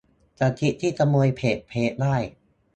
- สคริปต์ที่ขโมยเพจเฟซได้